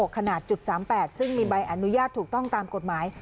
ขนาด๓๘ซึ่งมีใบอนุญาตถูกต้องตามกฎหมาย